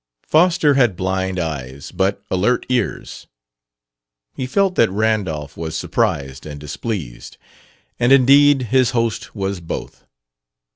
Foster had blind eyes, but alert ears. He felt that Randolph was surprised and displeased. And indeed his host was both.